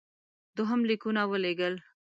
دوهم لیکونه ولېږل.